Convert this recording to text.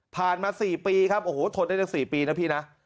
มา๔ปีครับโอ้โหทนได้ตั้ง๔ปีนะพี่นะ